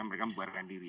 mereka membubarkan diri